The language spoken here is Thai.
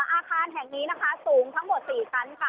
อาคารแห่งนี้นะคะสูงทั้งหมด๔ชั้นค่ะ